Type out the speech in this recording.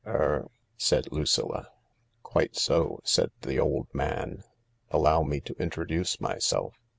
Er ..." said Lucilla. "Quite so," said the old man ; "allow me to introduce myself.